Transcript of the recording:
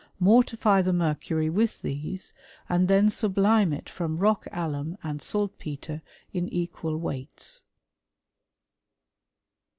Mortify the mercury with these, and then snblime it from rock alum and saltpetre in equal wc%hts."